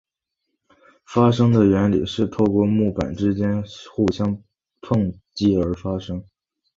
发声的原理是透过木板之间互相撞击而发声。